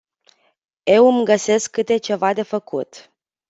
Eu îmi găsesc câte ceva de făcut.